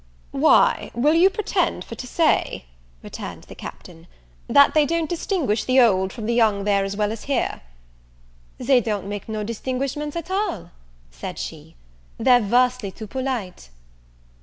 "Why, will you pretend for to say," returned the Captain, "that they don't distinguish the old from the young there as well as here?" "They don't make no distinguishments at all," said she; "they're vastly too polite."